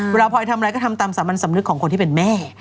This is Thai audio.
พลอยทำอะไรก็ทำตามสามัญสำนึกของคนที่เป็นแม่